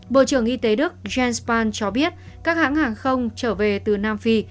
bộ trưởng y tế đức jens span cho biết các hãng hàng không trở về từ nam phi